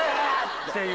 っていう。